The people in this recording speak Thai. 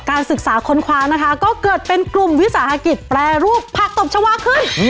ศึกษาค้นคว้านะคะก็เกิดเป็นกลุ่มวิสาหกิจแปรรูปผักตบชาวาขึ้น